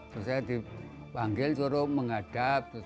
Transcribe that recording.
terus saya dipanggil suruh menghadap